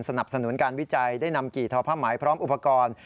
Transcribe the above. สนับสนุนการวิจัยได้นำกี่ทอผ้าไหมพร้อมอุปกรณ์